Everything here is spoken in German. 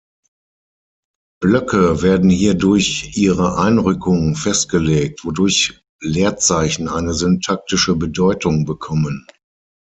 Blöcke werden hier durch ihre Einrückung festgelegt, wodurch Leerzeichen eine syntaktische Bedeutung bekommen.